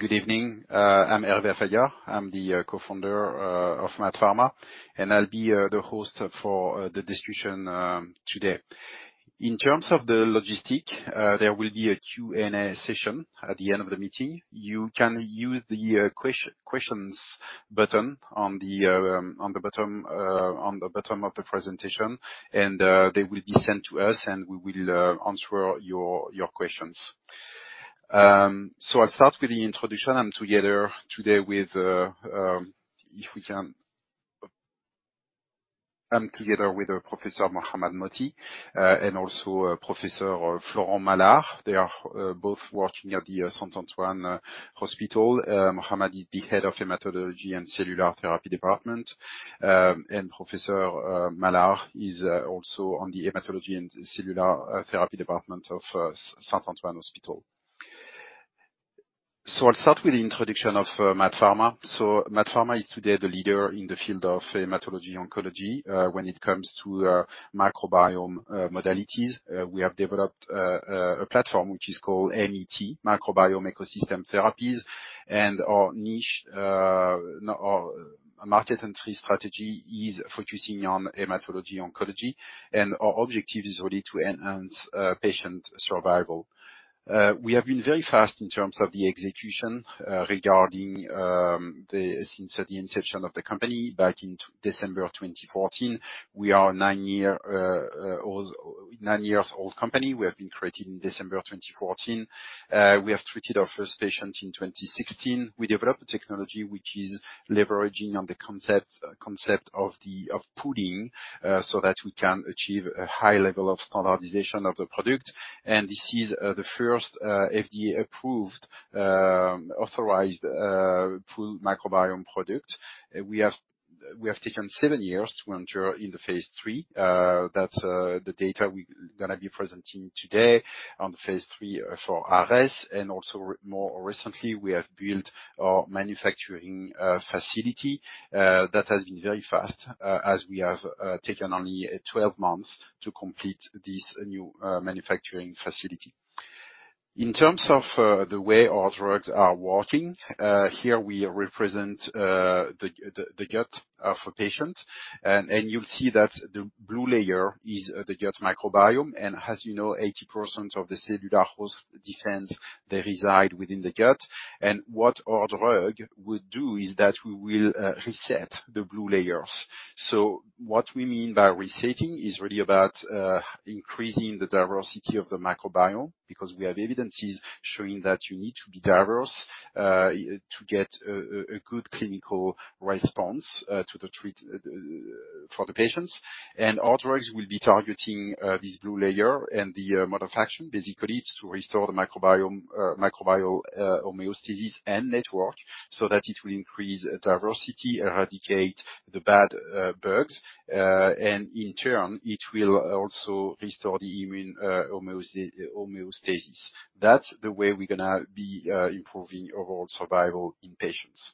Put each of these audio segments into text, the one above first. Good evening. I'm Hervé Affagard. I'm the co-founder of MaaT Pharma, and I'll be the host for the discussion today. In terms of the logistics, there will be a Q&A session at the end of the meeting. You can use the questions button on the bottom of the presentation, and they will be sent to us, and we will answer your questions. So, I'll start with the introduction. I'm together today with Professor Mohamad Mohty, and also Professor Florent Malard. They are both working at the Saint-Antoine Hospital. Mohamad is the head of Hematology and Cellular Therapy Department, and Professor Malard is also on the Hematology and Cellular Therapy Department of Saint-Antoine Hospital. So, I'll start with the introduction of MaaT Pharma. MaaT Pharma is today the leader in the field of hematology oncology. When it comes to the microbiome modalities, we have developed a platform which is called MET, Microbiome Ecosystem Therapies, and our niche or market entry strategy is focusing on hematology oncology, and our objective is really to enhance patient survival. We have been very fast in terms of the execution regarding the since the inception of the company back in December of 2014. We are a nine-year-old company. We have been created in December of 2014. We have treated our first patient in 2016. We developed a technology which is leveraging on the concept of pooling, so that we can achieve a high level of standardization of the product, and this is the first FDA-approved authorized pool microbiome product. We have taken seven years to enter in the phase III. That's the data we going to be presenting today on the phase III for ARES, and also, more recently, we have built our manufacturing facility. That has been very fast, as we have taken only 12 months to complete this new manufacturing facility. In terms of the way our drugs are working, here we represent the gut of a patient, and you'll see that the blue layer is the gut microbiome, and as you know, 80% of the cellular host defense, they reside within the gut. And what our drug will do is that we will reset the blue layers. So, what we mean by resetting is really about increasing the diversity of the microbiome, because we have evidence showing that you need to be diverse to get a good clinical response to the treat for the patients. Our drugs will be targeting this blue layer and the modification, basically, to restore the microbiome homeostasis and network, so that it will increase diversity, eradicate the bad bugs, and in turn, it will also restore the immune homeostasis. That's the way we're going to be improving overall survival in patients.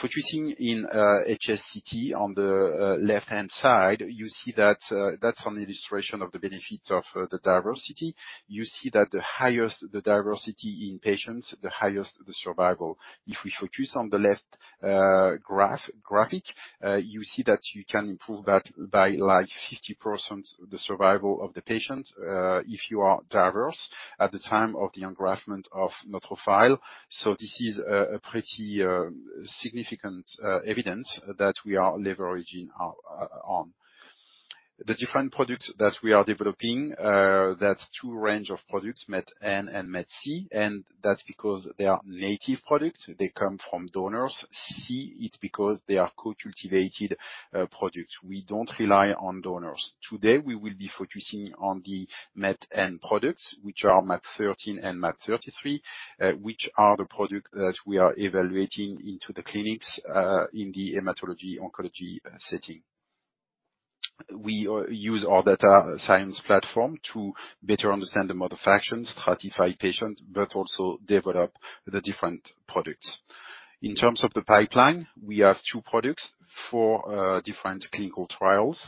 Focusing in HSCT, on the left-hand side, you see that that's an illustration of the benefits of the diversity. You see that the highest the diversity in patients, the highest the survival. If we focus on the left graph, you see that you can improve that by, like, 50%, the survival of the patient, if you are diverse at the time of the engraftment of neutrophil. So, this is pretty significant evidence that we are leveraging us on. The different products that we are developing, that's two range of products, MaaT-N and MaaT-C, and that's because they are native products. They come from donors. C, it's because they are co-cultivated products. We don't rely on donors. Today, we will be focusing on the MaaT-N products, which are MaaT013 and MaaT033, which are the product that we are evaluating into the clinics in the hematology oncology setting. We use our data science platform to better understand the modifications, stratify patients, but also develop the different products. In terms of the pipeline, we have two products for different clinical trials.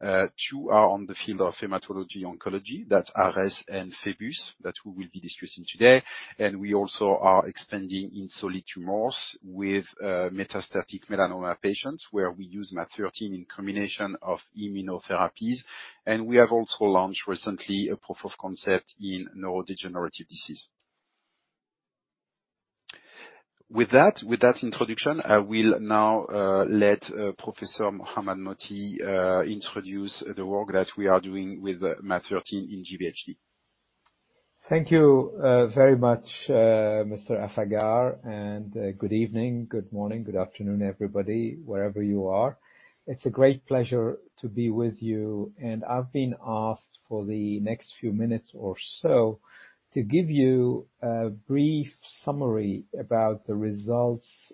Two are on the field of hematology oncology, that's ARES and PHOEBUS, that we will be discussing today. And we also are expanding in solid tumors with, metastatic melanoma patients, where we use MaaT013 in combination of immunotherapies, and we have also launched recently a proof of concept in neurodegenerative disease. With that, with that introduction, I will now, let, Professor Mohamad Mohty, introduce the work that we are doing with MaaT013 in GVHD. Thank you, very much, Mr. Affagard, and, good evening, good morning, good afternoon, everybody, wherever you are. It's a great pleasure to be with you, and I've been asked for the next few minutes or so to give you a brief summary about the results,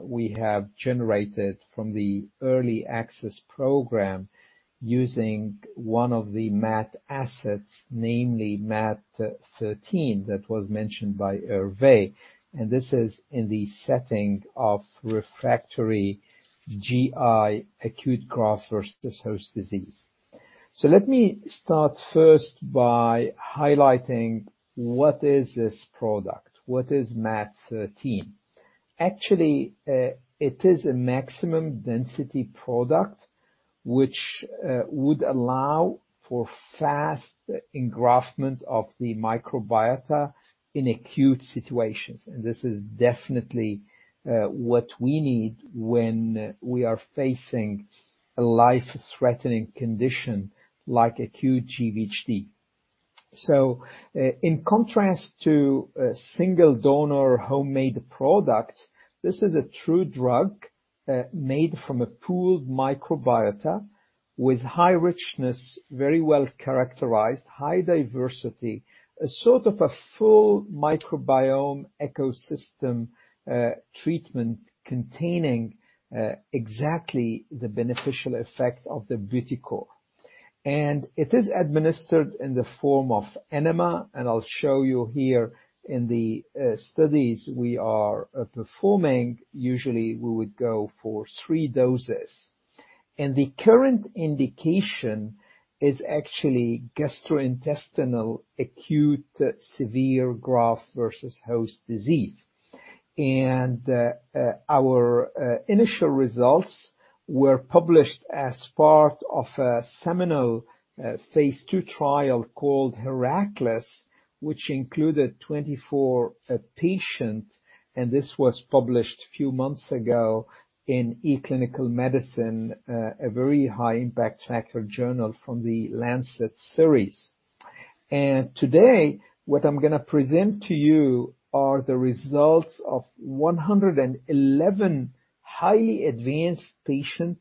we have generated from the early access program using one of the MaaT assets, namely MaaT013, that was mentioned by Hervé, and this is in the setting of refractory GI acute graft-versus-host disease... So, let me start first by highlighting what is this product? What is MaaT013? Actually, it is a maximum density product, which, would allow for fast engraftment of the microbiota in acute situations. And this is definitely, what we need when we are facing a life-threatening condition like acute GvHD. So, in contrast to a single donor homemade product, this is a true drug, made from a pooled microbiota with high richness, very well characterized, high diversity, a sort of a full microbiome ecosystem, treatment containing exactly the beneficial effect of the Butycore. And it is administered in the form of enema, and I'll show you here in the studies we are performing. Usually, we would go for three doses. And the current indication is actually gastrointestinal acute severe graft-versus-host disease. And our initial results were published as part of a seminal, phase II trial called HERACLES, which included 24 patients, and this was published a few months ago in eClinicalMedicine, a very high impact factor journal from the Lancet series. Today, what I'm going to present to you are the results of 111 highly advanced patients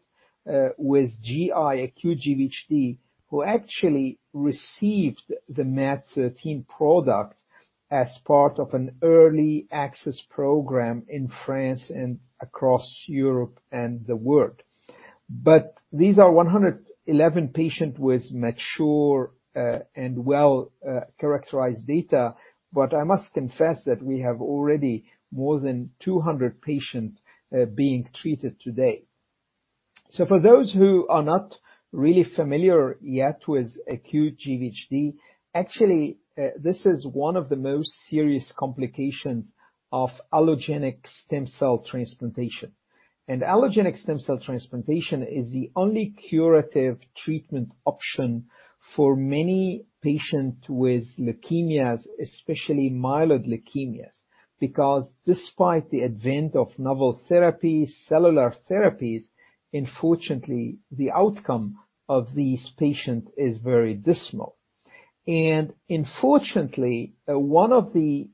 with GI acute GvHD, who actually received the MaaT013 product as part of an early access program in France and across Europe and the world. But these are 111 patients with mature and well characterized data. But I must confess that we have already more than 200 patients being treated today. So, for those who are not really familiar yet with acute GvHD, actually, this is one of the most serious complications of allogeneic stem cell transplantation. And allogeneic stem cell transplantation is the only curative treatment option for many patients with leukemias, especially mild leukemias, because despite the advent of novel therapies, cellular therapies, unfortunately, the outcome of these patients is very dismal. Unfortunately, one of the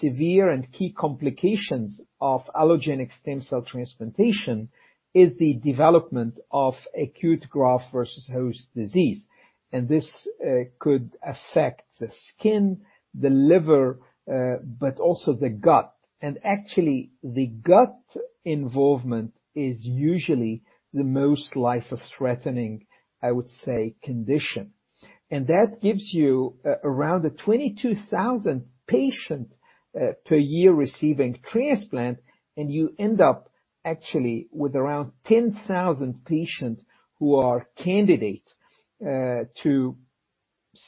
severe and key complications of allogeneic stem cell transplantation is the development of acute graft-versus-host disease, and this could affect the skin, the liver, but also the gut. Actually, the gut involvement is usually the most life-threatening, I would say, condition. That gives you around 22,000 patients per year receiving transplant, and you end up actually with around 10,000 patients who are candidates to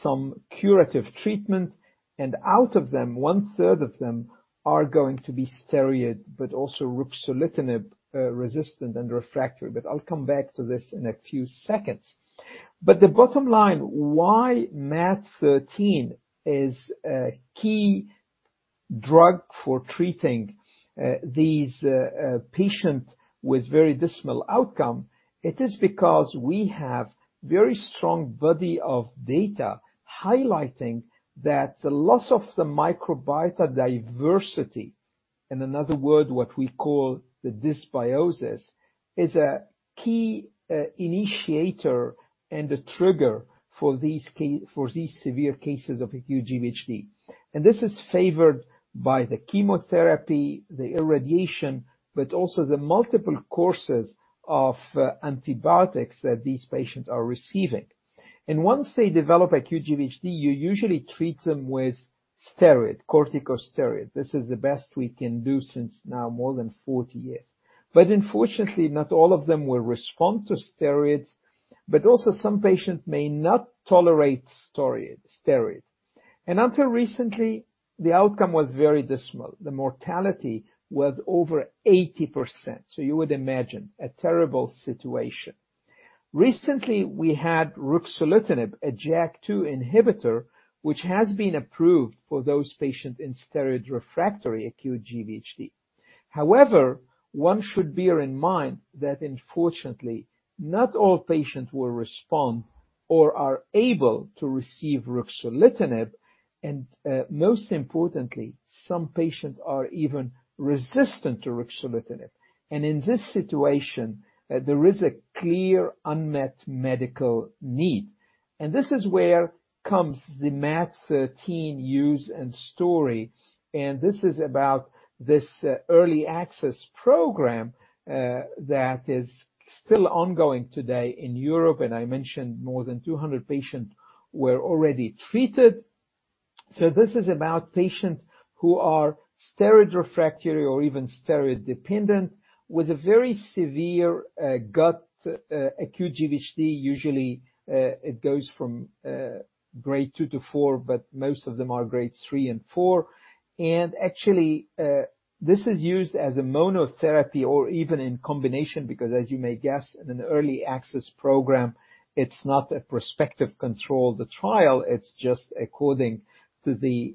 some curative treatment, and out of them, one-third of them are going to be steroid, but also ruxolitinib, resistant and refractory. But I'll come back to this in a few seconds. The bottom line, why MaaT013 is a key drug for treating these patients with very dismal outcome? It is because we have very strong body of data highlighting that the loss of the microbiota diversity, in another word, what we call the dysbiosis, is a key, initiator and a trigger for these for these severe cases of acute GVHD. And this is favored by the chemotherapy, the irradiation, but also the multiple courses of, antibiotics that these patients are receiving. And once they develop acute GVHD, you usually treat them with steroid, corticosteroid. This is the best we can do since now more than 40 years. But unfortunately, not all of them will respond to steroids, but also some patients may not tolerate steroid. And until recently, the outcome was very dismal. The mortality was over 80%, so you would imagine a terrible situation. Recently, we had ruxolitinib, a JAK2 inhibitor, which has been approved for those patients in steroid refractory acute GVHD. However, one should bear in mind that unfortunately, not all patients will respond or are able to receive ruxolitinib, and, most importantly, some patients are even resistant to ruxolitinib. And in this situation, there is a clear unmet medical need. And this is where comes the MaaT013 use and story, and this is about this, early access program, that is still ongoing today in Europe. And I mentioned more than 200 patients were already treated.... So, this is about patients who are steroid refractory or even steroid dependent, with a very severe, gut acute GVHD. Usually, it goes from, grade two to four, but most of them are grades three and four. Actually, this is used as a monotherapy or even in combination, because as you may guess, in an early access program, it's not a prospective controlled trial, it's just according to the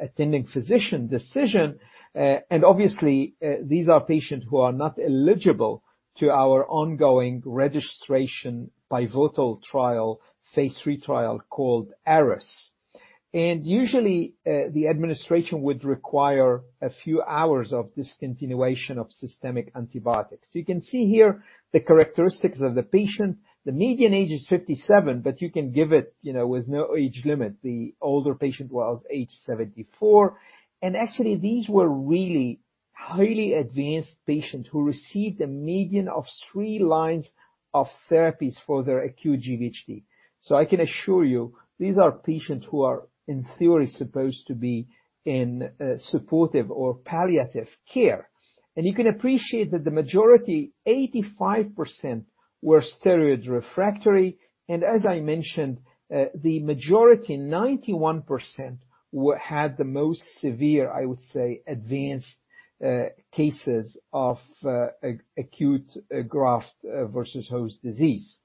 attending physician decision. And obviously, these are patients who are not eligible to our ongoing registration pivotal trial, phase III trial called ARES. And usually, the administration would require a few hours of discontinuation of systemic antibiotics. You can see here the characteristics of the patient. The median age is 57, but you can give it, you know, with no age limit. The older patient was age 74. And actually, these were really highly advanced patients who received a median of three lines of therapies for their acute GvHD. So, I can assure you, these are patients who are, in theory, supposed to be in supportive or palliative care. You can appreciate that the majority, 85%, were steroid-refractory, and as I mentioned, the majority, 91%, had the most severe, I would say, advanced cases of acute graft-versus-host disease.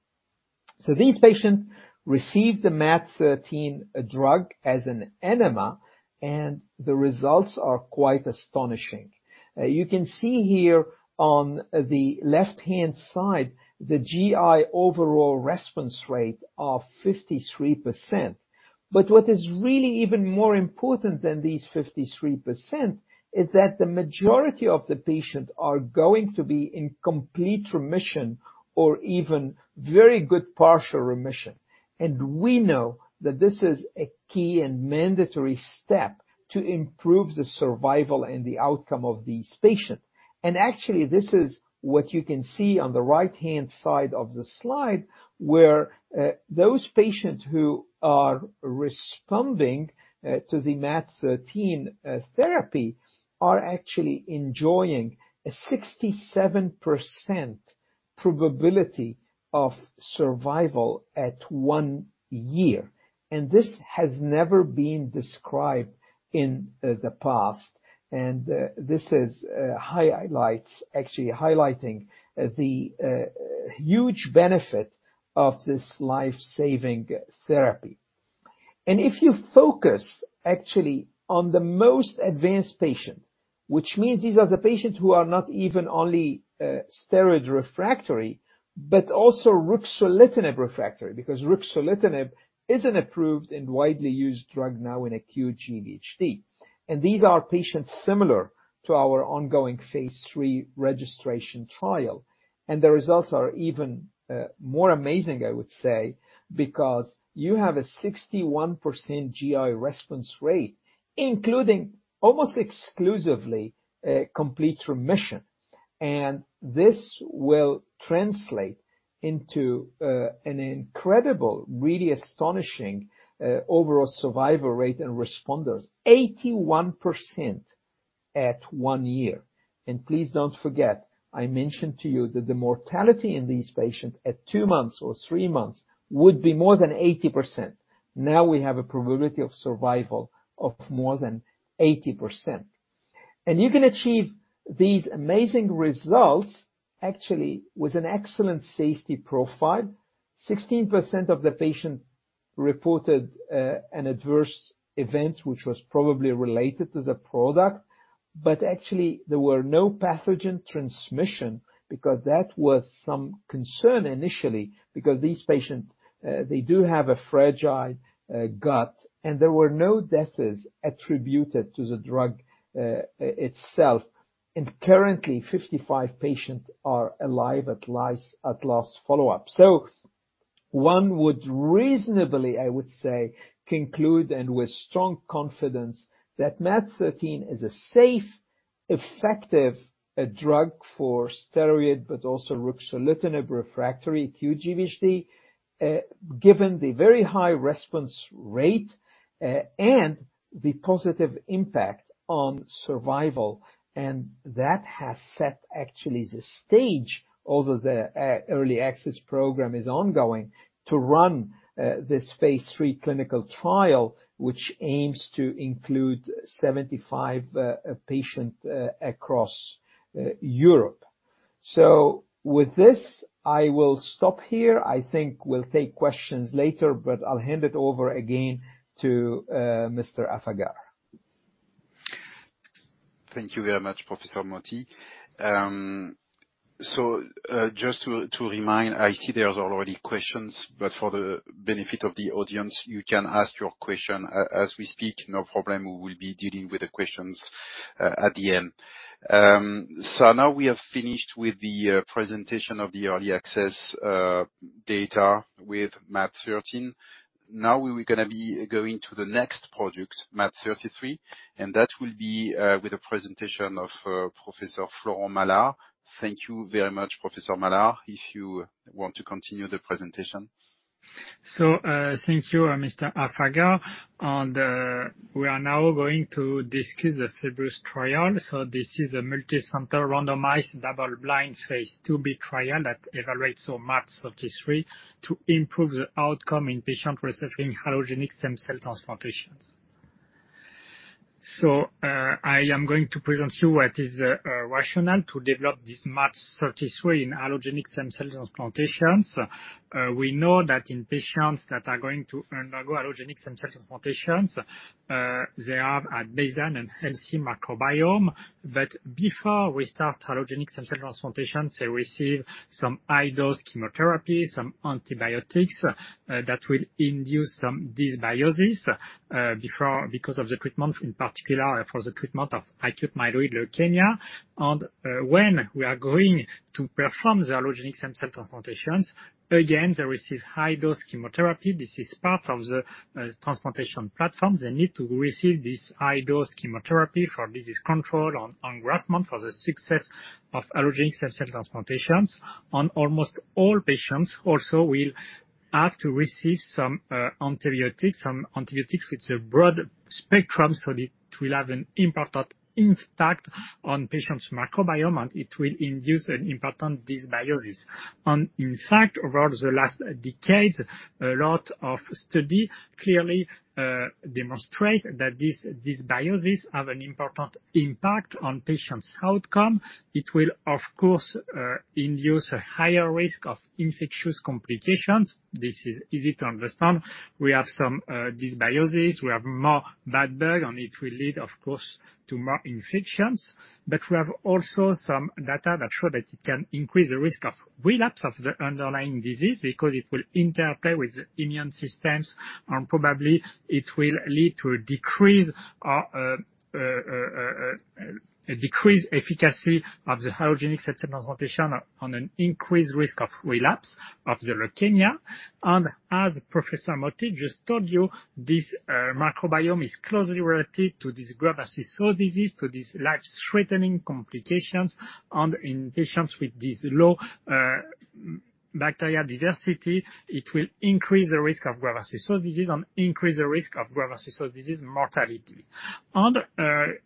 So, these patients received the MaaT013 drug as an enema, and the results are quite astonishing. You can see here on the left-hand side, the GI overall response rate of 53%. But what is really even more important than these 53%, is that the majority of the patients are going to be in complete remission or even very good partial remission. We know that this is a key and mandatory step to improve the survival and the outcome of these patients. Actually, this is what you can see on the right-hand side of the slide, where those patients who are responding to the MaaT013 therapy are actually enjoying a 67% probability of survival at one year. And this has never been described in the past. And this is actually highlighting the huge benefit of this life-saving therapy. And if you focus actually on the most advanced patient, which means these are the patients who are not even only steroid refractory, but also ruxolitinib refractory, because ruxolitinib is an approved and widely used drug now in acute GVHD. And these are patients similar to our ongoing phase III registration trial. And the results are even more amazing, I would say, because you have a 61% GI response rate, including almost exclusively complete remission. This will translate into an incredible, really astonishing overall survival rate in responders, 81% at one year. Please don't forget, I mentioned to you that the mortality in these patients at two months or three months would be more than 80%. Now, we have a probability of survival of more than 80%. You can achieve these amazing results actually, with an excellent safety profile. 16% of the patients reported an adverse event, which was probably related to the product, but actually, there were no pathogen transmission, because that was some concern initially, because these patients, they do have a fragile gut, and there were no deaths attributed to the drug itself. Currently, 55 patients are alive at last follow-up. So one would reasonably, I would say, conclude, and with strong confidence, that MaaT013 is a safe, effective, drug for steroid, but also ruxolitinib refractory acute GVHD, given the very high response rate, and the positive impact on survival, and that has set actually the stage, although the, early access program is ongoing, to run, this phase III clinical trial, which aims to include 75, patients, across, Europe. So with this, I will stop here. I think we'll take questions later, but I'll hand it over again to, Mr. Affagard. Thank you very much, Professor Mohty. So, just to remind, I see there's already questions, but for the benefit of the audience, you can ask your question as we speak, no problem. We will be dealing with the questions at the end. So now we have finished with the presentation of the early access data with MaaT013. Now, we were gonna be going to the next product, MaaT033, and that will be with a presentation of Professor Florent Malard. Thank you very much, Professor Malard, if you want to continue the presentation. Thank you, Mr. Affagard. We are now going to discuss the PHOEBUS trial. This is a multicenter, randomized, double-blind phase II-B trial that evaluates our MaaT033 to improve the outcome in patient receiving allogeneic stem cell transplantation. I am going to present you what is the rationale to develop this MaaT033 in allogeneic stem cell transplantations. We know that in patients that are going to undergo allogeneic stem cell transplantations, they have at baseline a healthy microbiome. But before we start allogeneic stem cell transplantations, they receive some high-dose chemotherapy, some antibiotics, that will induce some dysbiosis because of the treatment, in particular, for the treatment of acute myeloid leukemia. When we are going to perform the allogeneic stem cell transplantations, again, they receive high-dose chemotherapy. This is part of the transplantation platform. They need to receive this high-dose chemotherapy for disease control and engraftment, for the success of allogeneic stem cell transplantations. Almost all patients also will have to receive some antibiotics. Some antibiotics with a broad spectrum, so it will have an important impact on patients' microbiome, and it will induce an important dysbiosis. In fact, over the last decade, a lot of study clearly demonstrate that this dysbiosis have an important impact on patients' outcome. It will, of course, induce a higher risk of infectious complications. This is easy to understand. We have some dysbiosis. We have more bad bug, and it will lead, of course, to more infections. But we have also some data that show that it can increase the risk of relapse of the underlying disease, because it will interplay with the immune systems, and probably it will lead to a decrease or a decreased efficacy of the allogeneic stem cell transplantation on an increased risk of relapse of the leukemia. And as Professor Mohty just told you, this microbiome is closely related to this graft-versus-host disease, to these life-threatening complications. And in patients with this low bacteria diversity, it will increase the risk of graft-versus-host disease and increase the risk of graft-versus-host disease mortality. And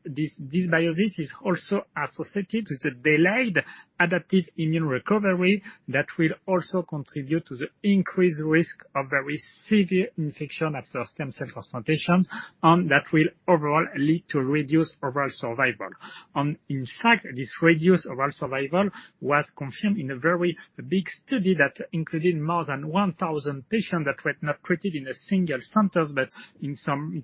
this dysbiosis is also associated with the delayed adaptive immune recovery that will also contribute to the increased risk of very severe infection after stem cell transplantation, and that will overall lead to reduced overall survival. In fact, this reduced overall survival was confirmed in a very big study that included more than 1,000 patients that were not treated in a single center, but it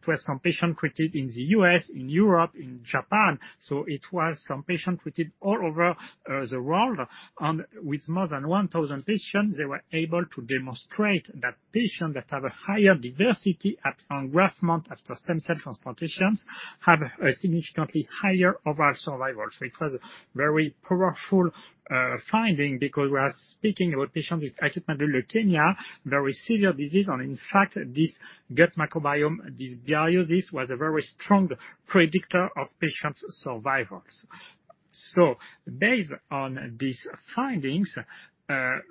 was some patients treated in the U.S., in Europe, in Japan. It was some patients treated all over the world. With more than 1,000 patients, they were able to demonstrate that patients that have a higher diversity at engraftment after stem cell transplantations have a significantly higher overall survival. It was a very powerful finding because we are speaking about patients with acute myeloid leukemia, very severe disease. In fact, this gut microbiome dysbiosis was a very strong predictor of patients' survivals. Based on these findings,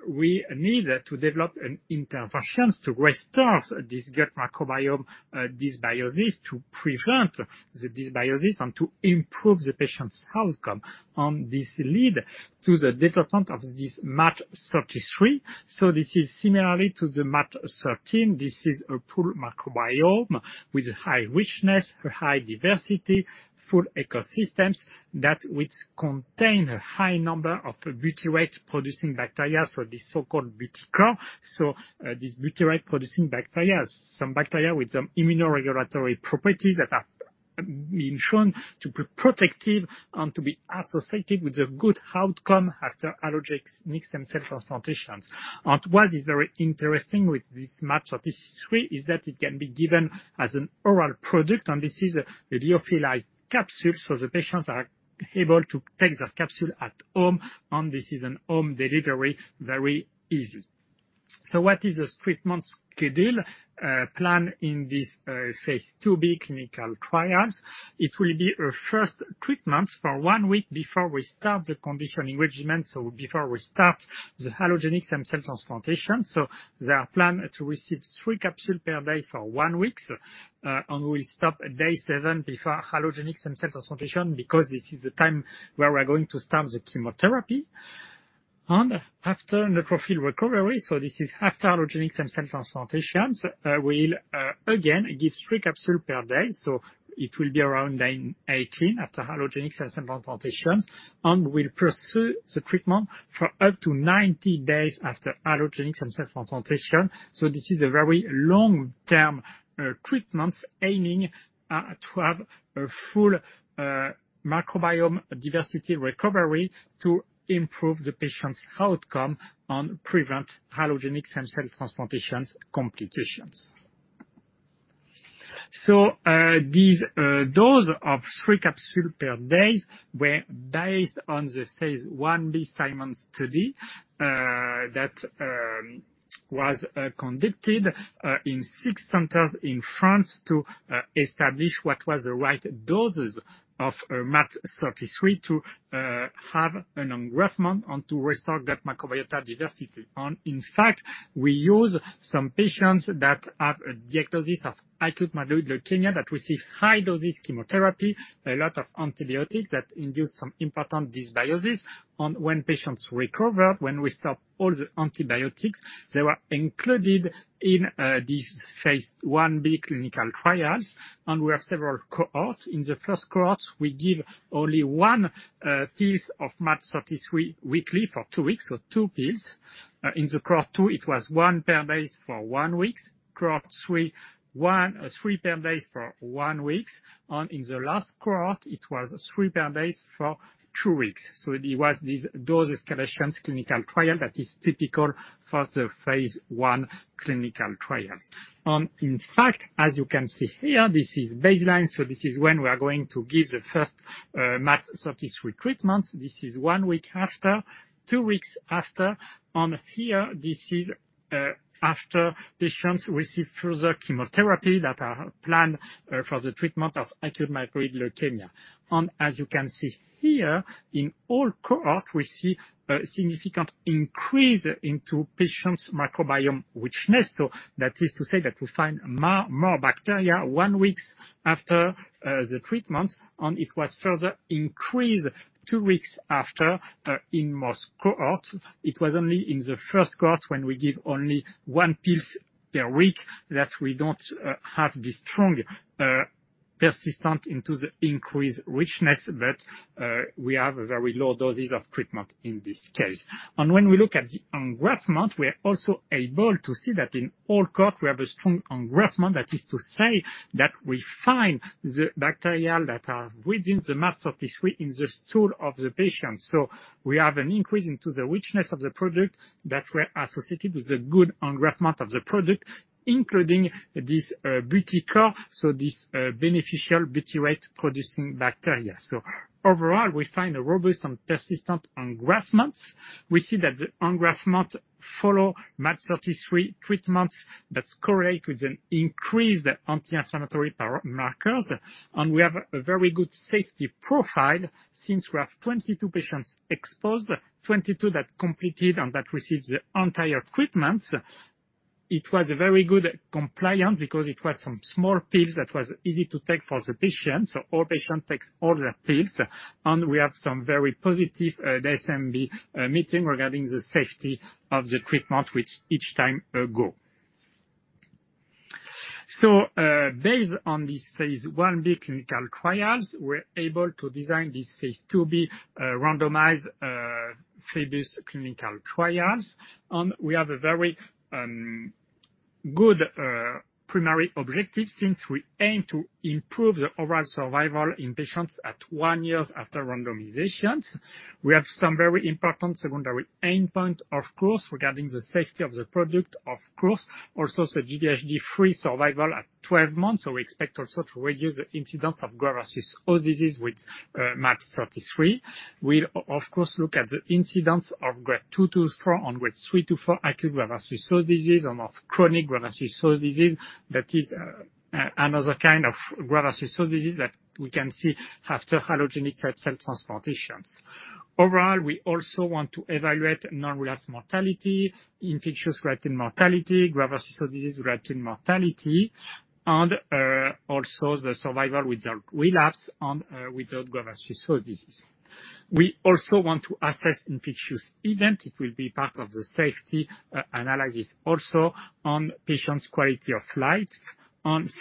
we need to develop interventions to restore this gut microbiome dysbiosis, to prevent the dysbiosis and to improve the patients' outcome. This led to the development of this MaaT033. This is similarly to the MaaT013. This is a pooled microbiome with high richness, a high diversity, full ecosystem, that which contains a high number of butyrate-producing bacteria, so this so-called Butycore. This butyrate-producing bacteria, some bacteria with some immunoregulatory properties that have been shown to be protective and to be associated with a good outcome after allogeneic matched stem cell transplantations. What is very interesting with this MaaT033 is that it can be given as an oral product, and this is a lyophilized capsule, so the patients are able to take the capsule at home, and this is a home delivery, very easy. So what is this treatment schedule, plan in this phase II-B clinical trials? It will be a first treatment for one week before we start the conditioning regimen, so before we start the allogeneic stem cell transplantation. So they are planned to receive three capsules per day for one week, and we stop at day seven before allogeneic stem cell transplantation, because this is the time where we're going to start the chemotherapy. And after neutrophil recovery, so this is after allogeneic stem cell transplantation, we'll again give three capsules per day, so it will be around day 18 after allogeneic stem cell transplantation, and we'll pursue the treatment for up to 90 days after allogeneic stem cell transplantation. So this is a very long-term, treatments, aiming, to have a full, microbiome diversity recovery to improve the patients' outcome and prevent allogeneic stem cell transplantations complications. So, these, dose of thr capsules per day were based on the phase I-B SIMON study, that was, conducted, in six centers in France to, establish what was the right doses of, MaaT033 to, have an engraftment and to restore gut microbiota diversity. And in fact, we use some patients that have a diagnosis of acute myeloid leukemia, that receive high dose chemotherapy, a lot of antibiotics that induce some important dysbiosis. And when patients recover, when we stop all the antibiotics, they were included in, this phase I-B clinical trials, and we have several cohort. In the first cohort, we give only one piece of MaaT033 weekly for two weeks, so two pills. In cohort 2, it was one per day for one week. Cohort 3, three per day for one week. In the last cohort, it was three per day for two weeks. So it was these dose escalations clinical trial that is typical for the phase I clinical trials. In fact, as you can see here, this is baseline, so this is when we are going to give the first MaaT033 treatments. This is one week after, two weeks after, and here, this is after patients receive further chemotherapy that are planned for the treatment of acute myeloid leukemia. As you can see here, in all cohort, we see a significant increase into patients' microbiome richness. So that is to say that we find more bacteria one week after the treatment, and it was further increased two weeks after in most cohort. It was only in the first cohort, when we give only one pill per week, that we don't have the strong persistent into the increased richness, but we have a very low doses of treatment in this case. And when we look at the engraftment, we are also able to see that in all cohort we have a strong engraftment. That is to say that we find the bacteria that are within the MaaT033 in the stool of the patient. So we have an increase into the richness of the product that were associated with the good engraftment of the product, including this Butycore, so this beneficial butyrate-producing bacteria. So overall, we find a robust and persistent engraftment. We see that the engraftment follow MaaT033 treatments that correlate with an increased anti-inflammatory Butycore markers. And we have a very good safety profile since we have 22 patients exposed, 22 that completed and that received the entire treatment. It was a very good compliance because it was some small pills that was easy to take for the patient. So, all patient takes all the pills, and we have some very positive, the DSMB, meeting regarding the safety of the treatment, which each time, go. So, based on this phase I-B clinical trials, we're able to design this phase II-B, randomized, Phoebus clinical trials. And we have a very, good, primary objective, since we aim to improve the overall survival in patients at 1 year after randomizations. We have some very important secondary endpoint, of course, regarding the safety of the product, of course. Also, the GvHD free survival at 12 months, so we expect also to reduce the incidence of graft-versus-host disease with MaaT033. We'll of course look at the incidence of grade two to four and grade three to four acute graft-versus-host disease and of chronic graft-versus-host disease. That is another kind of graft-versus-host disease that we can see after allogeneic stem cell transplantations. Overall, we also want to evaluate non-relapse mortality, infectious-related mortality, graft-versus-host disease-related mortality, and also the survival without relapse and without graft-versus-host disease. We also want to assess infectious event. It will be part of the safety analysis, also on patients' quality of life.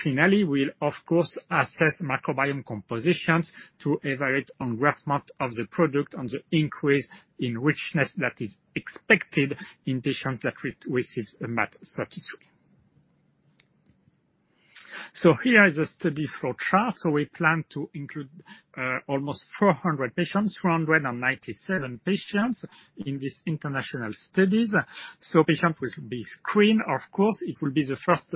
Finally, we'll of course assess microbiome compositions to evaluate engraftment of the product and the increase in richness that is expected in patients that receive MaaT033. Here is a study flowchart. We plan to include almost 400 patients, 497 patients, in these international studies. Patients will be screened. Of course, it will be the first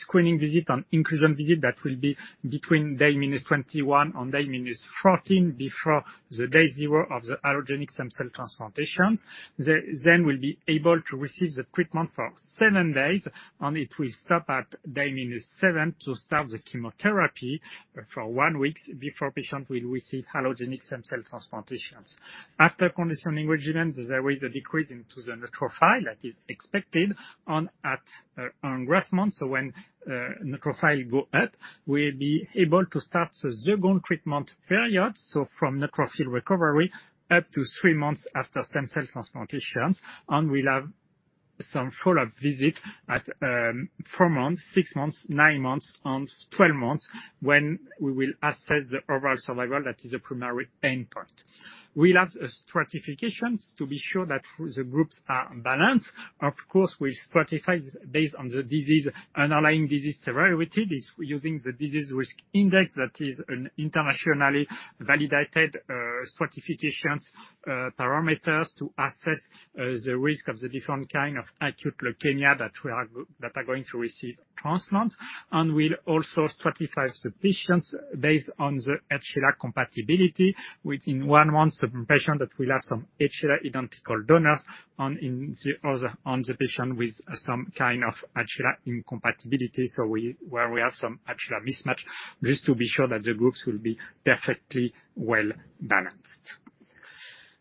screening visit and inclusion visit. That will be between day minus 21 and day minus 14, before the day zero of the allogeneic stem cell transplantations. Then we'll be able to receive the treatment for seven days, and it will stop at day minus seven, to start the chemotherapy for one week before patient will receive allogeneic stem cell transplantations. After conditioning regimen, there is a decrease into the neutrophil that is expected and at engraftment, so when neutrophil go up, we'll be able to start the second treatment period. So, from neutrophil recovery, up to three months after stem cell transplantations, and we'll have some follow-up visit at four months, six months, nine months and 12 months when we will assess the overall survival, that is the primary endpoint. We'll have a stratification to be sure that the groups are balanced. Of course, we stratify based on the disease, underlying disease severity, is using the Disease Risk Index. That is an internationally validated stratifications parameters to assess the risk of the different kind of acute leukemia that are going to receive transplants. And we'll also stratify the patients based on the HLA compatibility within 1 month. The patient that will have some HLA identical donors, and in the other, on the patient with some kind of HLA incompatibility. So where we have some HLA mismatch, just to be sure that the groups will be perfectly well-balanced.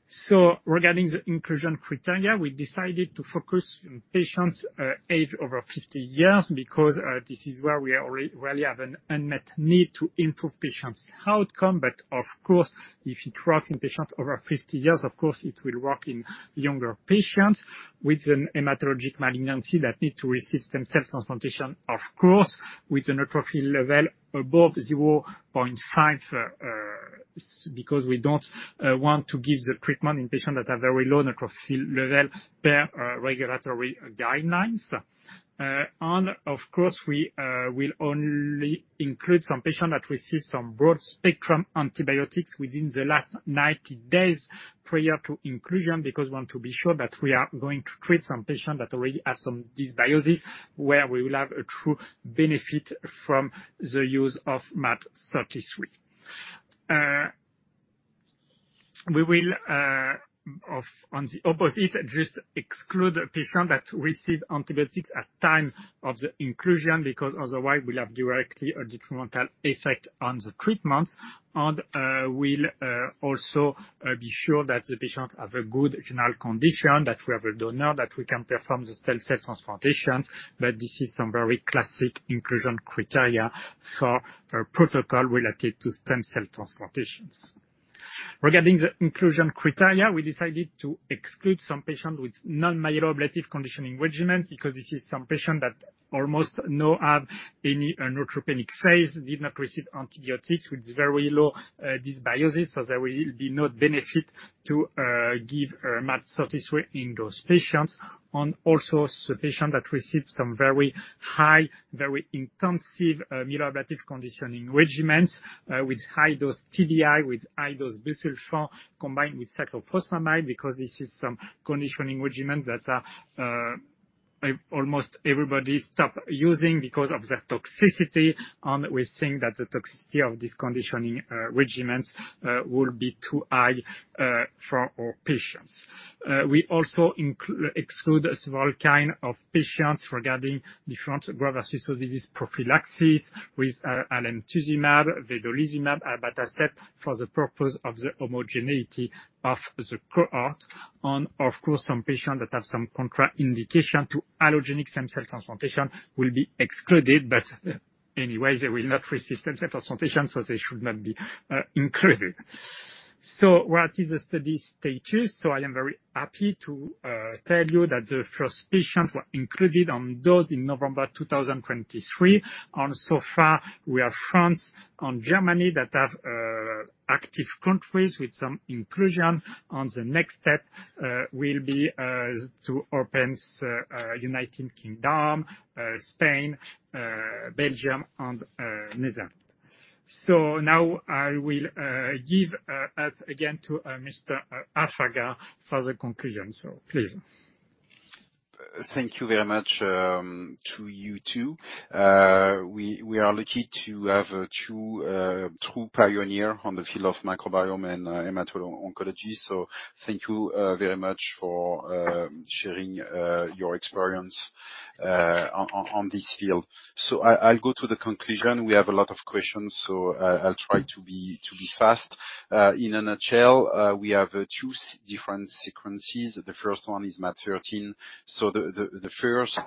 So regarding the inclusion criteria, we decided to focus on patients, age over 50 years because, this is where we are already, really have an unmet need to improve patients' outcome. But of course, if it works in patients over 50 years, of course, it will work in younger patients with a hematologic malignancy that need to receive stem cell transplantation, of course, with a neutrophil level above 0.5. Because we don't want to give the treatment in patients that are very low neutrophil level per regulatory guidelines. And of course, we will only include some patients that receive some broad-spectrum antibiotics within the last 90 days prior to inclusion, because we want to be sure that we are going to treat some patients that already have some dysbiosis, where we will have a true benefit from the use of MaaT033. We will, on the opposite, just exclude a patient that received antibiotics at time of the inclusion, because otherwise, we'll have directly a detrimental effect on the treatment. We'll also be sure that the patients have a good general condition, that we have a donor, that we can perform the stem cell transplantation, but this is some very classic inclusion criteria for a protocol related to stem cell transplantations. Regarding the inclusion criteria, we decided to exclude some patients with non-myeloablative conditioning regimens, because this is some patients that almost no have any neutropenic phase, did not receive antibiotics, with very low, dysbiosis, so there will be no benefit to, give, MaaT033 in those patients. And also, the patient that received some very high, very intensive, myeloablative conditioning regimens, with high-dose TBI, with high-dose busulfan, combined with cyclophosphamide, because this is some conditioning regimen that, almost everybody stopped using because of the toxicity. And we think that the toxicity of this conditioning, regimens, will be too high, for our patients. We also exclude several kind of patients regarding different graft versus disease prophylaxis with, alemtuzumab, vedolizumab, abatacept, for the purpose of the homogeneity of the cohort. Of course, some patients that have some contraindication to allogeneic stem cell transplantation will be excluded, but anyways, they will not receive stem cell transplantation, so they should not be included. What is the study status? I am very happy to tell you that the first patients were included on those in November 2023. So far, we have France and Germany that have active countries with some inclusion. The next step will be to open United Kingdom, Spain, Belgium, and Netherlands. Now I will give up again to Mr. Affagard for the conclusion. Please. Thank you very much to you, too. We are lucky to have a true pioneer on the field of microbiome and hematology oncology. So thank you very much for sharing your experience on this field. So I'll go to the conclusion. We have a lot of questions, so I'll try to be fast. In a nutshell, we have two different sequences. The first one is MaaT013. So the first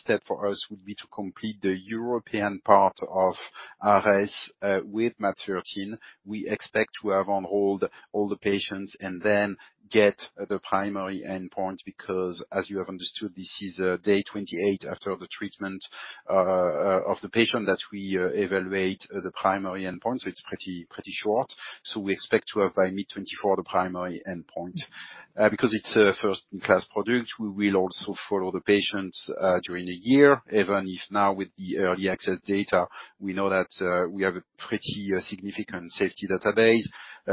step for us would be to complete the European part of ARES with MaaT013. We expect to have on hold all the patients and then get the primary endpoint, because as you have understood, this is day 28 after the treatment of the patient that we evaluate the primary endpoint, so it's pretty short. So we expect to have by mid-2024 the primary endpoint. Because it's a first-in-class product, we will also follow the patients during the year, even if now, with the early access data, we know that we have a pretty significant safety database.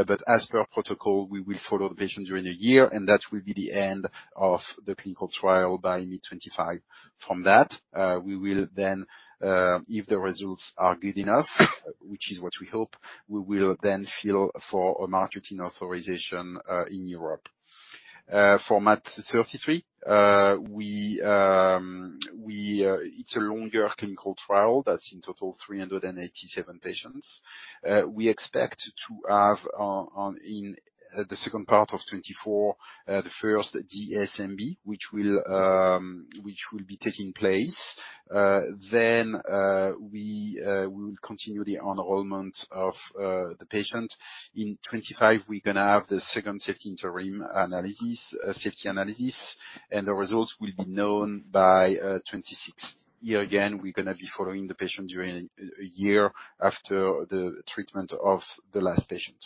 But as per protocol, we will follow the patient during the year, and that will be the end of the clinical trial by mid-2025. From that, we will then if the results are good enough, which is what we hope, we will then file for a marketing authorization in Europe. For MaaT033, it's a longer clinical trial that's in total 387 patients. We expect to have, in the second part of 2024, the first DSMB, which will be taking place. Then, we will continue the enrollment of the patients. In 2025, we're gonna have the second safety interim analysis, safety analysis, and the results will be known by 2026. Here again, we're gonna be following the patient during a year after the treatment of the last patient.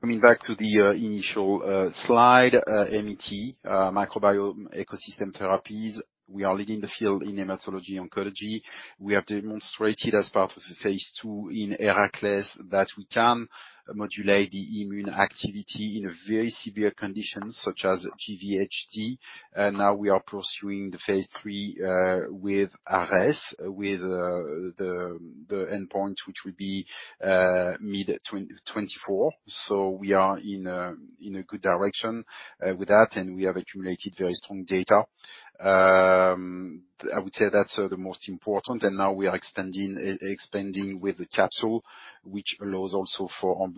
Coming back to the initial slide, MET, Microbiome Ecosystem Therapies, we are leading the field in hematology oncology. We have demonstrated, as part of the phase II in HERACLES, that we can modulate the immune activity in a very severe conditions, such as GVHD, and now we are pursuing the phase III, with ARES, with the endpoint, which will be mid-2024. So we are in a good direction with that, and we have accumulated very strong data. I would say that's the most important, and now we are expanding, expanding with the capsule, which allows also for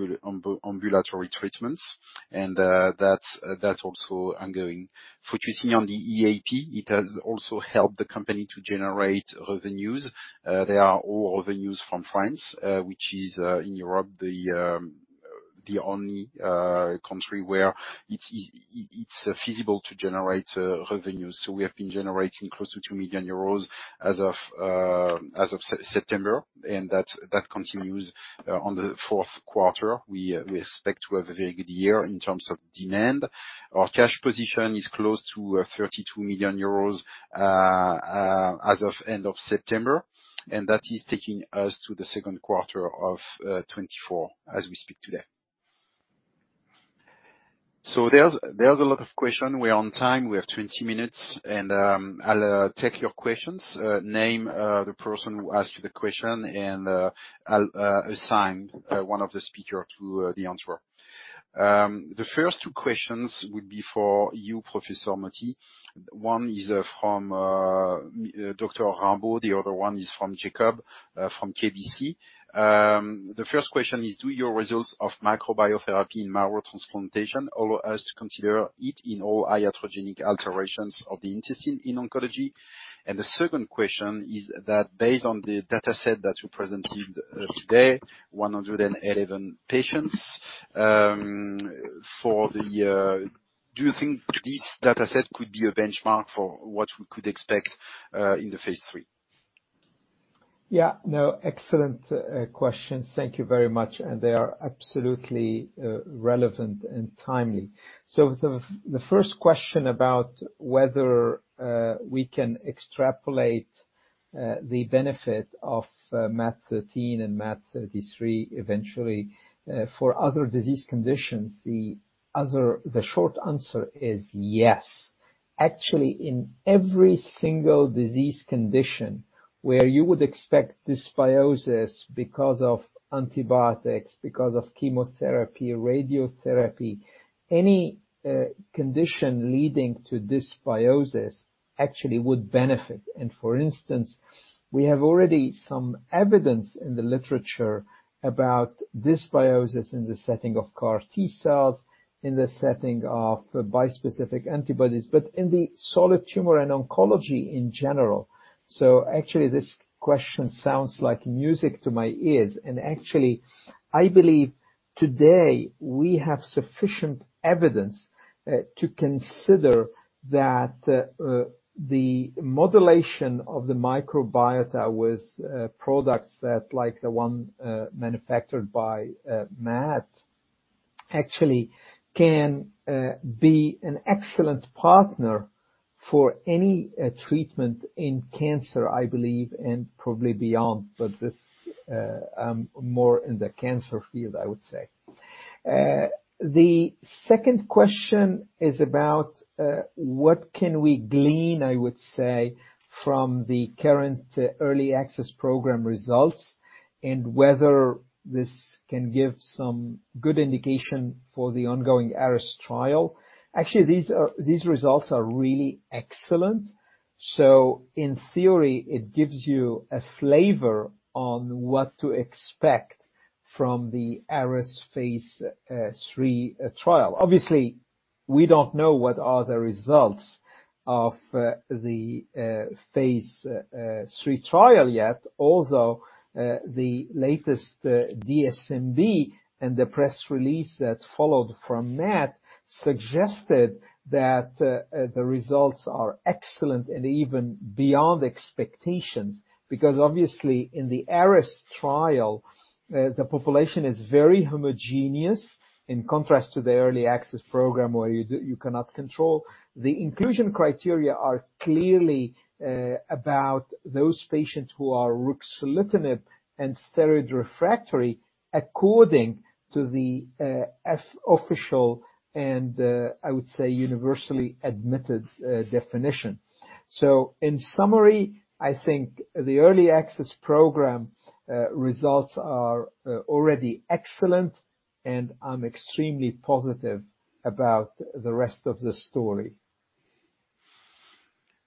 ambulatory treatments, and that's also ongoing. Focusing on the EAP, it has also helped the company to generate revenues. They are all revenues from France, which is, in Europe, the only country where it's feasible to generate revenues. So, we have been generating close to 2 million euros as of September, and that continues on the fourth quarter. We expect to have a very good year in terms of demand. Our cash position is close to 32 million euros as of end of September, and that is taking us to the second quarter of 2024, as we speak today. So, there's a lot of question. We're on time, we have 20 minutes, and I'll take your questions. Name the person who asked the question, and I'll assign one of the speakers to the answer. The first two questions would be for you, Professor Mohty. One is from Dr. Rambaud, the other one is from Jacob from KBC. The first question is: do your results of microbiotherapy in marrow transplantation allow us to consider it in all iatrogenic alterations of the intestine in oncology? And the second question is that, based on the dataset that you presented today, 111 patients, for the... Do you think this dataset could be a benchmark for what we could expect in phase III? Yeah. No, excellent questions. Thank you very much, and they are absolutely relevant and timely. So the first question about whether we can extrapolate the benefit of MaaT 13 and MaaT 33 eventually for other disease conditions, the short answer is yes. Actually, in every single disease condition where you would expect dysbiosis because of antibiotics, because of chemotherapy, radiotherapy, any condition leading to dysbiosis actually would benefit. And for instance, we have already some evidences in the literature about dysbiosis in the setting of CAR T cells, in the setting of bispecific antibodies, but in the solid tumor and oncology in general. So actually, this question sounds like music to my ears. Actually, I believe today we have sufficient evidence to consider that the modulation of the microbiota with products that, like the one, manufactured by MaaT, actually can be an excellent partner for any treatment in cancer, I believe, and probably beyond. But this, more in the cancer field, I would say. The second question is about what can we glean, I would say, from the current early access program results, and whether this can give some good indication for the ongoing ARES trial. Actually, these are, these results are really excellent. So in theory, it gives you a flavor on what to expect from the ARES phase III trial. Obviously, we don't know what are the results of the phase III trial yet. Although, the latest, DSMB and the press release that followed from MaaT suggested that, the results are excellent and even beyond expectations. Because obviously, in the ARES trial, the population is very homogeneous, in contrast to the early access program, where you cannot control. The inclusion criteria are clearly, about those patients who are ruxolitinib and steroid refractory, according to the, official and, I would say, universally admitted, definition. So in summary, I think the early access program, results are, already excellent, and I'm extremely positive about the rest of the story.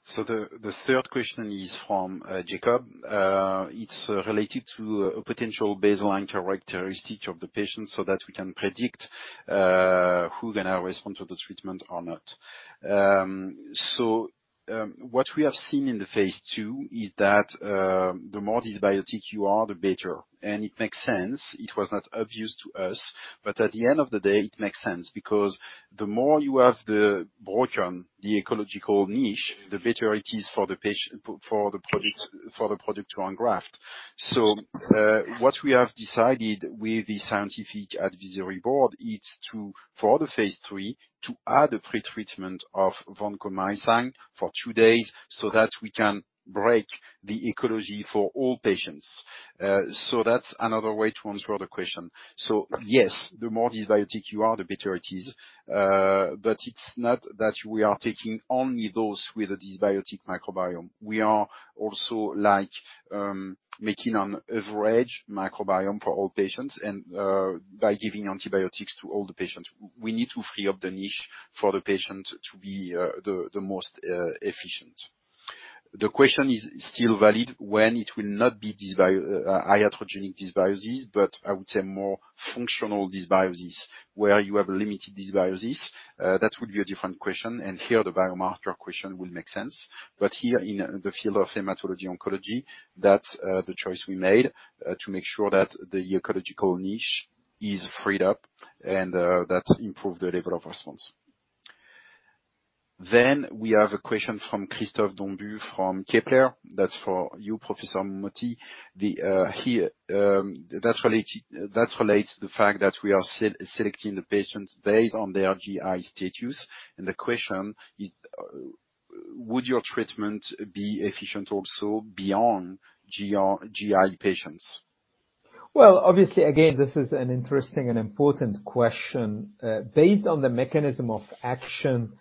So the third question is from Jacob. It's related to a potential baseline characteristic of the patient, so that we can predict who going to respond to the treatment or not. What we have seen in the phase II is that the more dysbiotic you are, the better, and it makes sense. It was not obvious to us, but at the end of the day, it makes sense, because the more broken the ecological niche, the better it is for the product to engraft. What we have decided with the scientific advisory board is to, for the phase III, add a pretreatment of vancomycin for two days, so that we can break the ecology for all patients. That's another way to answer the question. So yes, the more dysbiotic you are, the better it is, but it's not that we are taking only those with a dysbiotic microbiome. We are also like making an average microbiome for all patients, and by giving antibiotics to all the patients. We need to free up the niche for the patient to be the most efficient. The question is still valid when it will not be iatrogenic dysbiosis, but I would say more functional dysbiosis, where you have limited diseases, that would be a different question, and here the biomarker question will make sense. But here, in the field of hematology oncology, that's the choice we made to make sure that the ecological niche is freed up, and that improve the level of response. Then we have a question from Christophe Dombu, from Kepler. That's for you, Professor Mohty. That's related, that relates to the fact that we are selecting the patients based on their GI status. And the question is, would your treatment be efficient also beyond GI patients? Well, obviously, again, this is an interesting and important question. Based on the mechanism of action,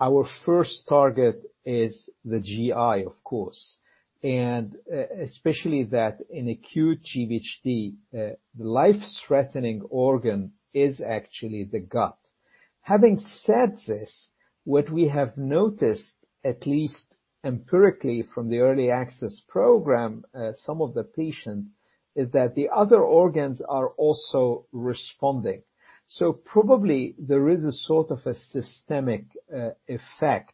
our first target is the GI, of course, and especially that in acute GvHD, the life-threatening organ is actually the gut. Having said this, what we have noticed, at least empirically from the early access program, some of the patients, is that the other organs are also responding. So probably there is a sort of a systemic effect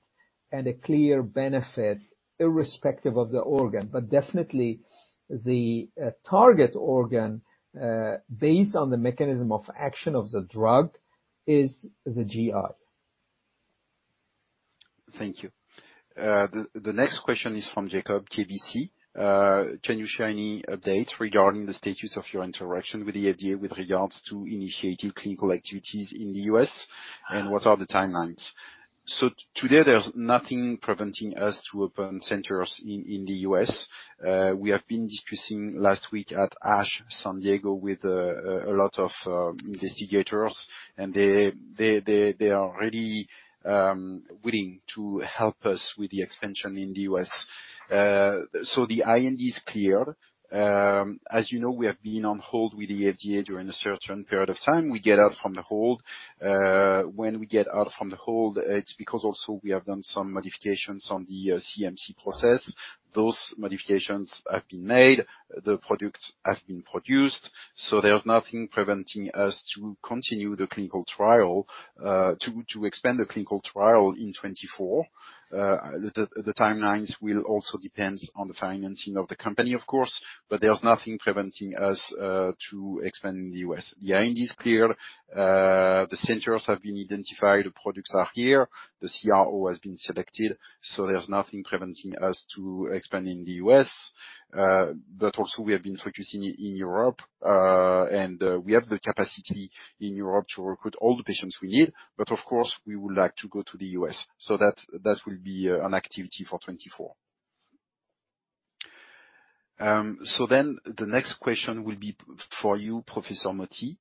and a clear benefit, irrespective of the organ. But definitely the target organ, based on the mechanism of action of the drug, is the GI. Thank you. The next question is from Jacob, KBC. Can you share any updates regarding the status of your interaction with the FDA with regards to initiating clinical activities in the U.S., and what are the timelines? So today, there's nothing preventing us to open centers in the U.S. We have been discussing last week at ASH, San Diego, with a lot of investigators, and they are already willing to help us with the expansion in the U.S. So the IND is clear. As you know, we have been on hold with the FDA during a certain period of time. We get out from the hold. When we get out from the hold, it's because also we have done some modifications on the CMC process. Those modifications have been made, the products have been produced, so there's nothing preventing us to continue the clinical trial to expand the clinical trial in 2024. The timelines will also depend on the financing of the company, of course, but there's nothing preventing us to expand in the US. The IND is clear, the centers have been identified, the products are here, the CRO has been selected, so there's nothing preventing us to expanding in the U.S. But also we have been focusing in Europe, and we have the capacity in Europe to recruit all the patients we need, but of course, we would like to go to the U.S. So that will be an activity for 2024. So then the next question will be for you, Professor Mohty.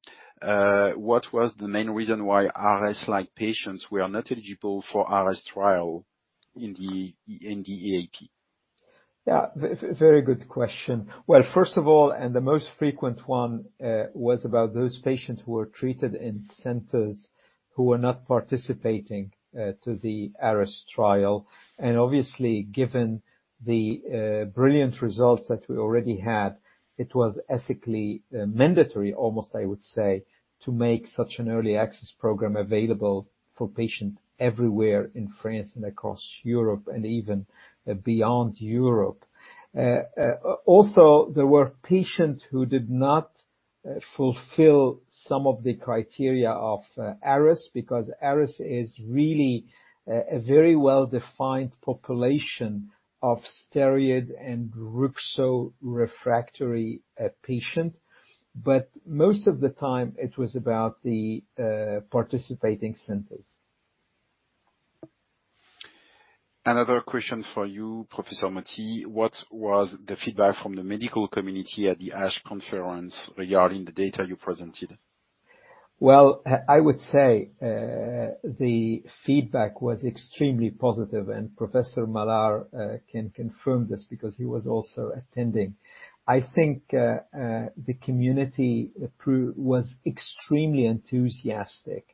What was the main reason why ARES-like patients were not eligible for the ARES trial in the EAP? Yeah, very good question. Well, first of all, and the most frequent one, was about those patients who were treated in centers who were not participating to the ARES trial. And obviously, given the brilliant results that we already had, it was ethically mandatory, almost I would say, to make such an early access program available for patients everywhere in France and across Europe, and even beyond Europe. Also, there were patients who did not fulfill some of the criteria of ARES, because ARES is really a very well-defined population of steroid and ruxolitinib refractory patient. But most of the time, it was about the participating centers. Another question for you, Professor Mohty. What was the feedback from the medical community at the ASH conference regarding the data you presented? Well, I would say the feedback was extremely positive, and Professor Malard can confirm this because he was also attending. I think the community was extremely enthusiastic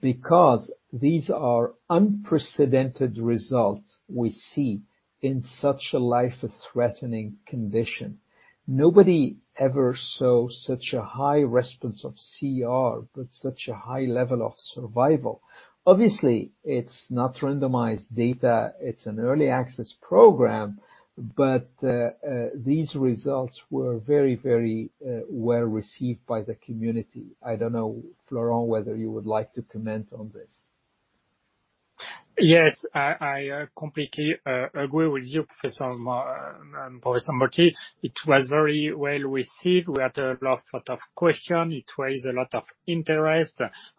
because these are unprecedented results we see in such a life-threatening condition. Nobody ever saw such a high response of CR, but such a high level of survival. Obviously, it's not randomized data, it's an early access program, but these results were very, very well-received by the community. I don't know, Florent, whether you would like to comment on this. Yes, I completely agree with you, Professor Mohty. It was very well-received. We had a lot of questions. It raised a lot of interest,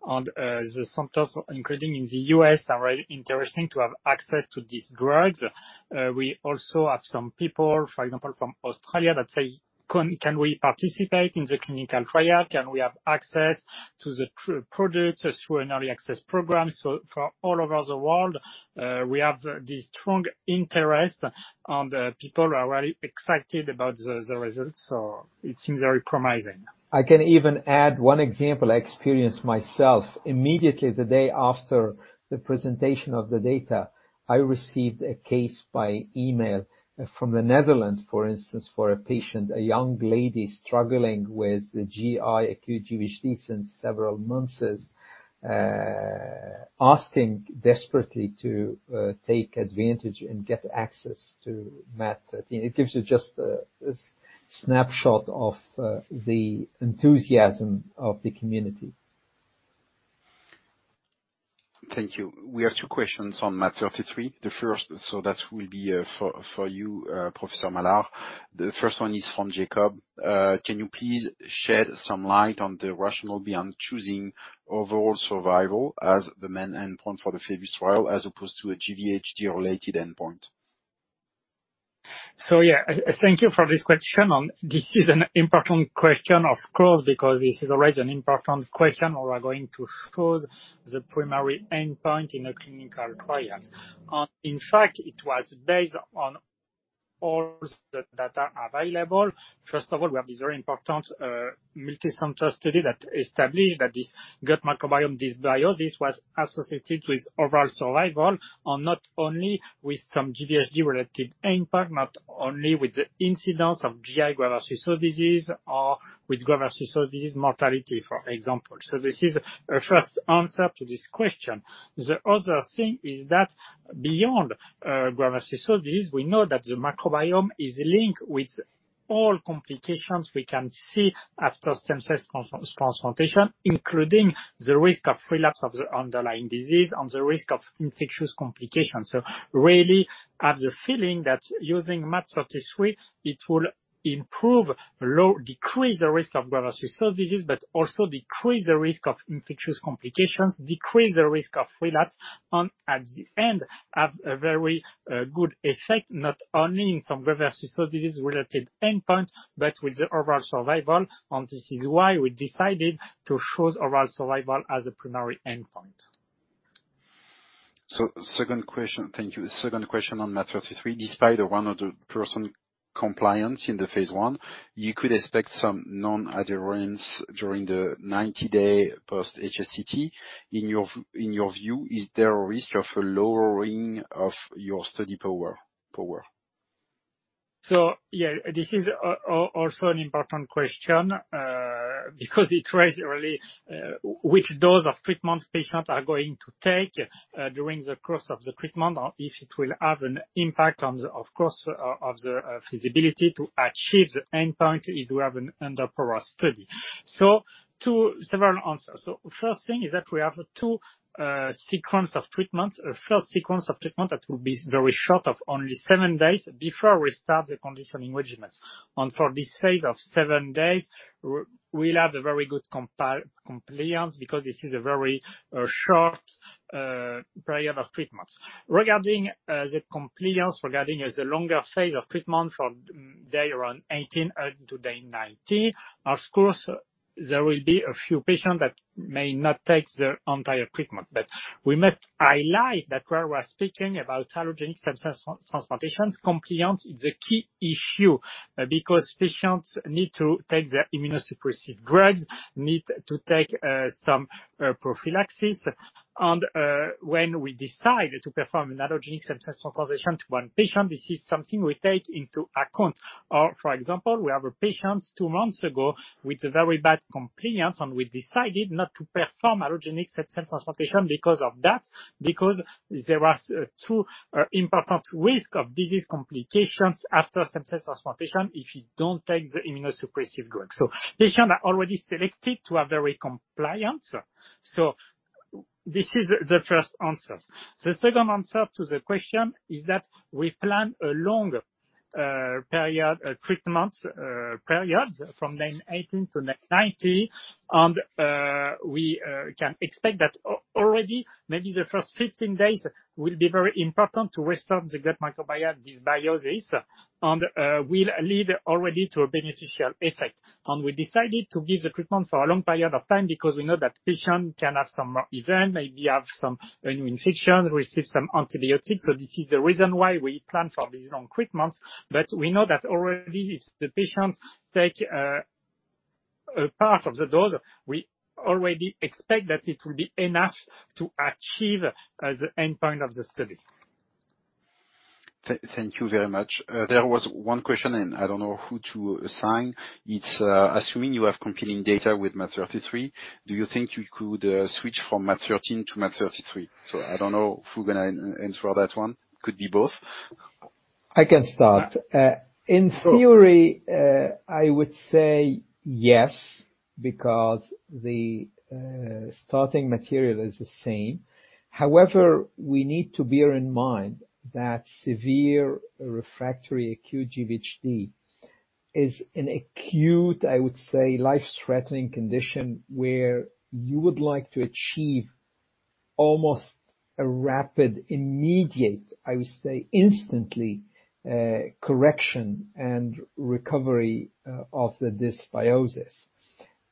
and the centers, including in the U.S., are very interested to have access to these drugs. We also have some people, for example, from Australia, that say, "Can we participate in the clinical trial? Can we have access to the product through an early access program?" So for all over the world, we have the strong interest, and people are very excited about the results, so it seems very promising. I can even add one example I experienced myself. Immediately, the day after the presentation of the data, I received a case by email from the Netherlands, for instance, for a patient, a young lady struggling with GI acute GvHD since several months, asking desperately to take advantage and get access to MaaT013. It gives you just a snapshot of the enthusiasm of the community. ... Thank you. We have two questions on MaaT033. The first, so that will be, for you, Professor Malard. The first one is from Jacob. Can you please shed some light on the rationale behind choosing overall survival as the main endpoint for the PHOEBUS trial, as opposed to a aGvHD-related endpoint? So yeah, thank you for this question, and this is an important question, of course, because this is always an important question when we are going to choose the primary endpoint in a clinical trial. And in fact, it was based on all the data available. First of all, we have this very important multicenter study that established that this gut microbiome dysbiosis was associated with overall survival, and not only with some GVHD-related impact, not only with the incidence of GI graft-versus-host disease, or with graft-versus-host disease mortality, for example. So this is a first answer to this question. The other thing is that beyond graft-versus-host disease, we know that the microbiome is linked with all complications we can see after stem cell transplantation, including the risk of relapse of the underlying disease and the risk of infectious complications. So really, have the feeling that using MaaT033, it will improve, decrease the risk of graft-versus-host disease, but also decrease the risk of infectious complications, decrease the risk of relapse, and at the end, have a very good effect, not only in some graft-versus-host disease-related endpoint, but with the overall survival. And this is why we decided to choose overall survival as a primary endpoint. Second question. Thank you. Second question on MaaT033. Despite the 100% compliance in the phase I, you could expect some non-adherence during the 90-day post-HSCT. In your view, is there a risk of a lowering of your study power? So yeah, this is also an important question, because it raises really which dose of treatment patients are going to take during the course of the treatment, or if it will have an impact on the, of course, the feasibility to achieve the endpoint if you have an underpowered study. So two several answers. So first thing is that we have two sequence of treatments. A first sequence of treatment that will be very short, of only seven days, before we start the conditioning regimens. And for this phase of seven days, we'll have a very good compliance, because this is a very short period of treatment. Regarding the compliance, regarding as the longer phase of treatment from day around 18 to day 19, of course, there will be a few patients that may not take the entire treatment. But we must highlight that when we're speaking about allogeneic stem cell transplantation, compliance is a key issue, because patients need to take the immunosuppressive drugs, need to take some prophylaxis. And when we decide to perform an allogeneic stem cell transplantation to one patient, this is something we take into account. For example, we have a patient two months ago with very bad compliance, and we decided not to perform allogeneic stem cell transplantation because of that, because there was two important risks of disease complications after stem cell transplantation if you don't take the immunosuppressive drugs. So patients are already selected to have very compliance. So this is the first answers. The second answer to the question is that we plan a long period treatments periods from day 18 to day 90. And we can expect that already maybe the first 15 days will be very important to restore the gut microbiome dysbiosis, and will lead already to a beneficial effect. And we decided to give the treatment for a long period of time because we know that patient can have some event, maybe have some new infection, receive some antibiotics. So this is the reason why we plan for this long treatment. But we know that already, if the patients take a part of the dose, we already expect that it will be enough to achieve the endpoint of the study. Thank you very much. There was one question, and I don't know who to assign. It's, assuming you have competing data with MaaT033, do you think you could switch from MaaT013 to MaaT033? So I don't know who going to answer that one. Could be both. I can start. In theory, I would say yes, because the starting material is the same. However, we need to bear in mind that severe refractory acute GVHD is an acute, I would say, life-threatening condition, where you would like to achieve almost a rapid, immediate, I would say, instantly, correction and recovery of the dysbiosis.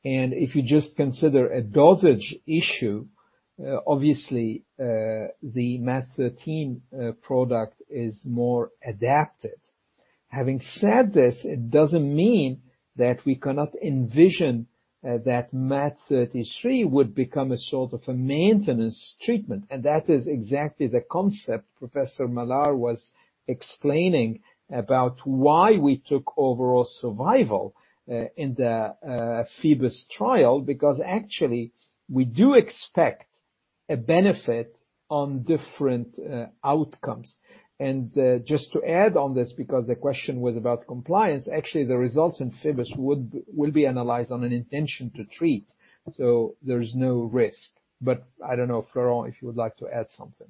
And if you just consider a dosage issue, obviously, the MaaT013 product is more adapted. Having said this, it doesn't mean that we cannot envision that MaaT033 would become a sort of a maintenance treatment, and that is exactly the concept Professor Malard was explaining about why we took overall survival in the PHOEBUS trial. Because actually, we do expect a benefit on different outcomes. Just to add on this, because the question was about compliance, actually, the results in PHOEBUS will be analyzed on an intention to treat, so there is no risk. But I don't know, Florent, if you would like to add something.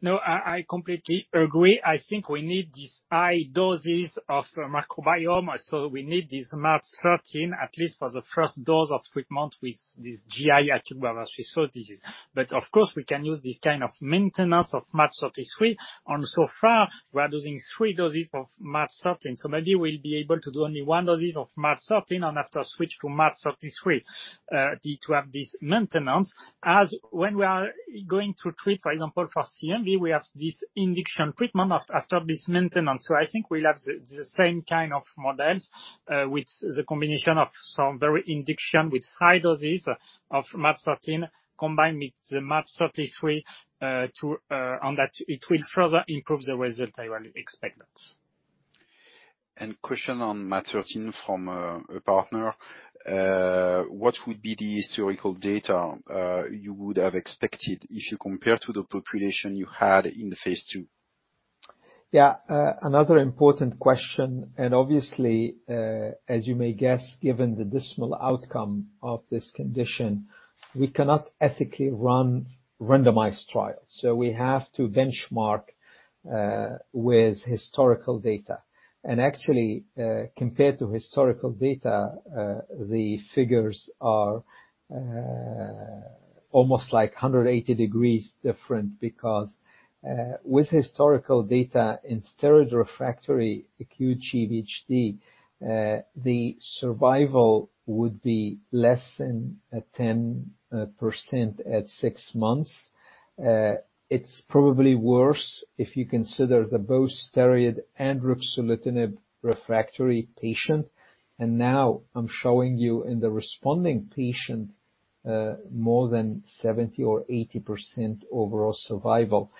No, I completely agree. I think we need these high doses of microbiome, so we need this MaaT013, at least for the first dose of treatment with this GI acute graft-versus-host disease. But of course, we can use this kind of maintenance of MaaT033, and so far, we are using three doses of MaaT013. So maybe we'll be able to do only one dosage of MaaT013, and after switch to MaaT033 to have this maintenance. As when we are going to treat, for example, for CMV, we have this induction treatment after this maintenance. So, I think we'll have the same kind of models with the combination of some very induction with high doses of MaaT013 combined with the MaaT033 to hope that it will further improve the result, I will expect that. Question on MaaT013 from a partner. What would be the historical data you would have expected if you compared to the population you had in the phase II? Yeah, another important question, and obviously, as you may guess, given the dismal outcome of this condition, we cannot ethically run randomized trials. So, we have to benchmark with historical data. And actually, compared to historical data, the figures are almost like 180 degrees different. Because, with historical data in steroid refractory acute GvHD, the survival would be less than 10% at six months. It's probably worse if you consider both steroid and ruxolitinib refractory patient. And now I'm showing you in the responding patient, more than 70% or 80% overall survival.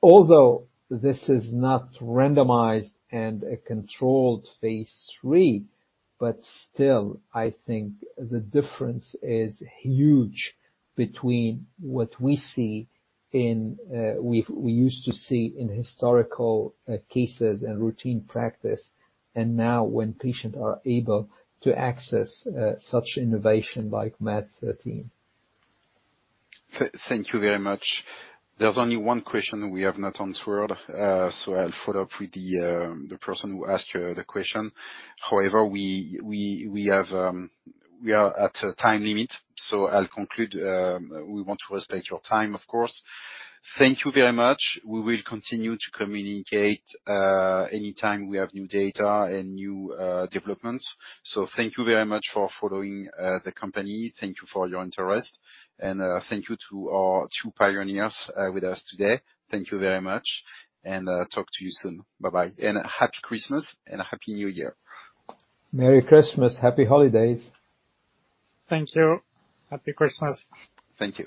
Although this is not randomized and a controlled phase III, but still, I think the difference is huge between what we see in, we, we used to see in historical cases and routine practice, and now when patients are able to access such innovation like MaaT013. Thank you very much. There's only one question we have not answered, so I'll follow up with the person who asked you the question. However, we are at a time limit, so I'll conclude, we want to respect your time, of course. Thank you very much. We will continue to communicate, anytime we have new data and new developments. So, thank you very much for following the company. Thank you for your interest and thank you to our two pioneers with us today. Thank you very much and talk to you soon. Bye-bye, and Happy Christmas and a Happy New Year. Merry Christmas! Happy holidays. Thank you. Happy Christmas. Thank you.